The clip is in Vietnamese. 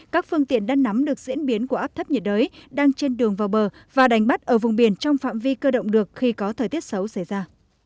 các phương tiện đang nắm được diễn biến của áp thấp nhiệt đới đang trên đường vào bờ và đánh bắt ở vùng biển trong phạm vi cơ động được khi có thời tiết xấu xảy ra